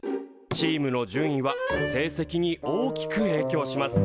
チームの順位は成績に大きくえいきょうします。